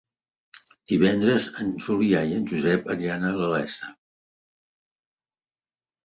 Divendres en Julià i en Josep aniran a la Iessa.